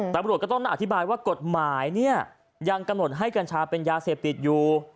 ตำรวจก็ต้องอธิบายว่ากฎหมายเนี่ยยังกำหนดให้กัญชาเป็นยาเสพติดอยู่